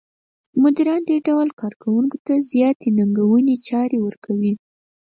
مديران دې ډول کار کوونکو ته زیاتې ننګوونکې چارې ورکوي.